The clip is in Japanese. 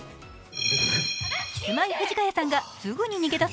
キスマイ藤ヶ谷さんがすぐに逃げだす